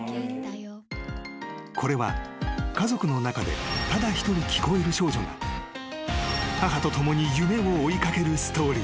［これは家族の中でただ一人聞こえる少女が母と共に夢を追い掛けるストーリー］